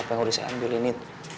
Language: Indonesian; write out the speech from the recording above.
pengurusan ambil ini